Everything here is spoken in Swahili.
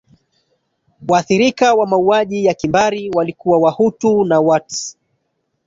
waathirika wa mauaji ya kimbari walikuwa wahutu na watsi